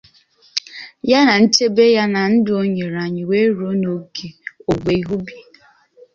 ya na nchebe ya na ndụ o nyere anyị wee ruo n'oge owuwe ihe ubi